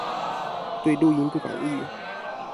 對錄音不滿意